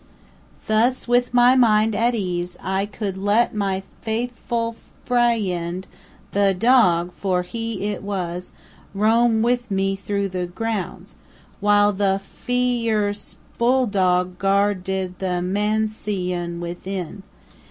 "Thus, with my mind at ease, I could let my faith ful fri end, the dog (for he it was), roam with me through the grounds, while the fi erce bull dog guard ed the man si on within.